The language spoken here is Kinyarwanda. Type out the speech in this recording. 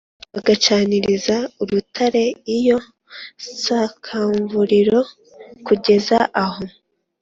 bagacaniriza urutare iyo sakamburiro kugeza aho